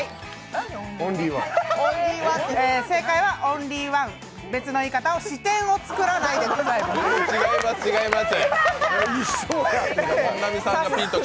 正解はオンリーワン、別の言い方は支店を作らないです。